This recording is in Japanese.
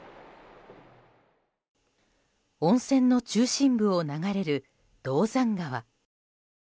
温泉の中心部を流れる銅山川。